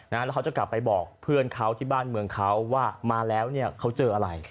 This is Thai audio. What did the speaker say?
แล้วเขาจะกลับไปบอกเพื่อนเขาที่บ้านเมืองเขาว่ามาแล้วเนี่ยเขาเจออะไร